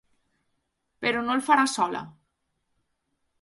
Però no el farà sola.